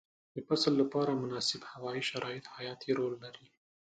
د فصل لپاره مناسب هوايي شرایط حیاتي رول لري.